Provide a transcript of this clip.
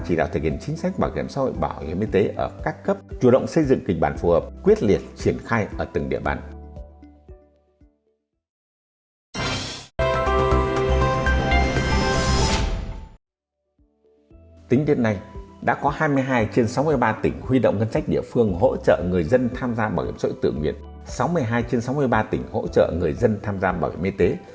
sáu mươi hai trên sáu mươi ba tỉnh hỗ trợ người dân tham gia bảo hiểm y tế